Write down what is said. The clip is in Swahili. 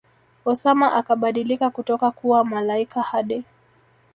Osama akabadilika kutoka kuwa malaika Hadi